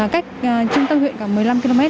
cách trung tâm huyện khoảng một mươi năm km